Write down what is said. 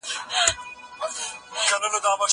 هغه څوک چي کتاب ليکي پوهه زياتوي؟!